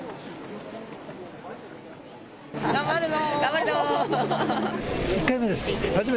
頑張るぞ！